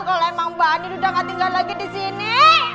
kalau emang mbak ani udah gak tinggal lagi di sini